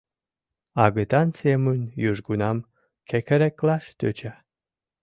Агытан семын южгунам кекыреклаш тӧча.